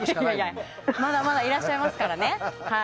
まだまだいらっしゃいますからね。